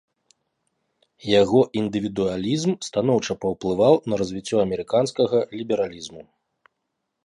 Яго індывідуалізм станоўча паўплываў на развіццё амерыканскага лібералізму.